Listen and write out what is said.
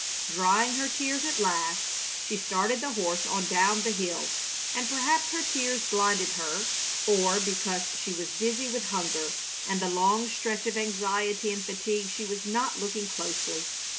Drying her tears at last, she started the horse on down the hill, and perhaps her tears blinded her, or because she was dizzy with hunger and the long stretch of anxiety and fatigue she was not looking closely.